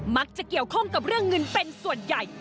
มักจะเกี่ยวข้องกับเรื่องเงินเป็นส่วนใหญ่